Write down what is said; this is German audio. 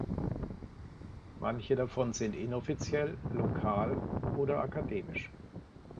Manche davon sind inoffiziell, lokal oder akademisch.